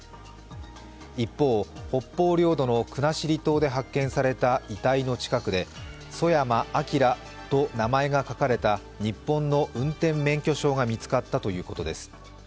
一方、北方領土の国後島で発見された、遺体の近くでソヤマ・アキラと名前が書かれた日本の運転免許証が見つかったということです。